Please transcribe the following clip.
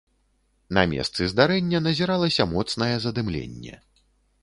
На месцы здарэння назіралася моцнае задымленне.